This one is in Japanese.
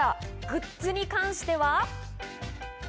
グッズに関しては？